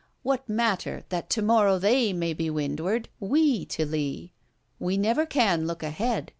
What matter that to morrow they may be to windward, we to lee? We never can look ahead.